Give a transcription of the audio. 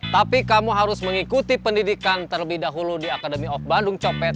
tapi kamu harus mengikuti pendidikan terlebih dahulu di academy of bandung copet